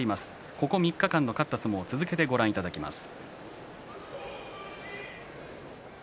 ここ３日間の勝った相撲を続けてご覧いただきます。